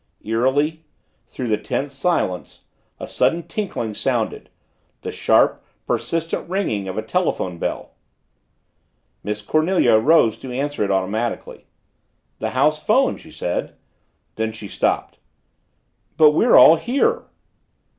Eerily, through the tense silence, a sudden tinkling sounded the sharp, persistent ringing of a telephone bell. Miss Cornelia rose to answer it automatically. "The house phone!" she said. Then she stopped. "But we're all here."